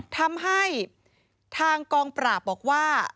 ทำให้ทางกองปราบบอกว่า